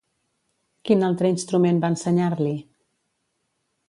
Quin altre instrument va ensenyar-li?